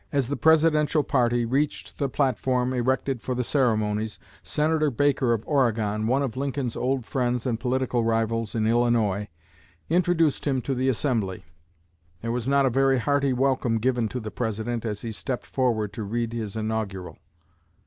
As the Presidential party reached the platform erected for the ceremonies, Senator Baker of Oregon, one of Lincoln's old friends and political rivals in Illinois, introduced him to the assembly. There was not a very hearty welcome given to the President as he stepped forward to read his inaugural.